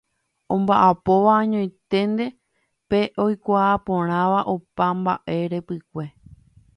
Omba'apóva añoiténte pe oikuaaporãva opa mba'e repykue.